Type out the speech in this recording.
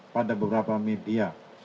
pada beberapa media